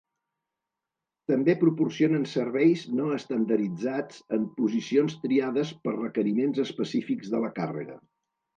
També proporcionen serveis no estandarditzats en posicions triades per requeriments específics de la càrrega.